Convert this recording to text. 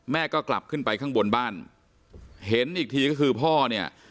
กลับขึ้นไปข้างบนบ้านเห็นอีกทีก็คือพ่อเนี่ย